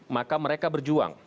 maka mereka berjuang